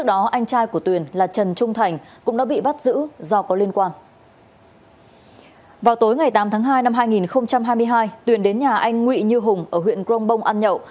tối ngày tám tháng hai năm hai nghìn hai mươi hai tuyền đến nhà anh nguyễn như hùng ở huyện grongbong ăn nhậu